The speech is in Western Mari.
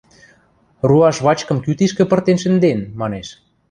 Руаш вачкым кӱ тишкӹ пыртен шӹнден? — манеш.